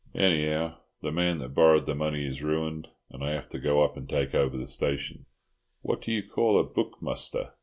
Anyhow, the man that borrowed the money is ruined, and I have to go up and take over the station." "What do you call a book muster?"